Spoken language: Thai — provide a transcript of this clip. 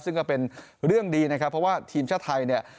ซึ่งก็เป็นเรื่องดีนะครับเพราะว่าทีมชาติไทยเนี่ย